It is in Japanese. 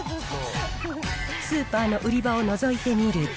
スーパーの売り場をのぞいてみると、